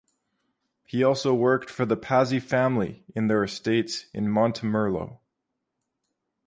He also worked for the Pazzi Family in their estates in Montemurlo.